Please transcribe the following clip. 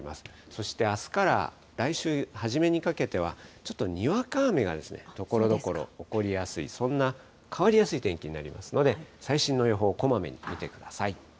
そして、あすから来週初めにかけては、ちょっとにわか雨がところどころ起こりやすい、そんな変わりやすい天気になりますので、最新の予報、こまめに見てください。